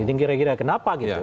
ini gira gira kenapa gitu